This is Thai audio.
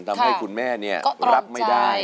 ทำให้คุณแม่รับไม่ได้